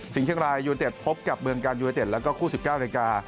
เชียงรายยูเต็ดพบกับเมืองการยูเนเต็ดแล้วก็คู่๑๙นาฬิกา